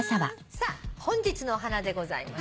さあ本日のお花でございます。